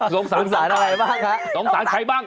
สงสารสารอะไรบ้างฮะสงสารใครบ้าง